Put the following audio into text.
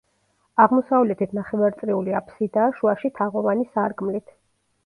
აღმოსავლეთით ნახევარწრიული აფსიდაა შუაში თაღოვანი სარკმლით.